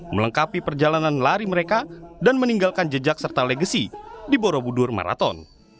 melengkapi perjalanan lari mereka dan meninggalkan jejak serta legasi di borobudur maraton